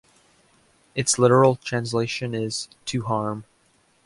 Its literal translation is "to harm".